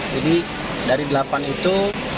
jadi dari delapan itu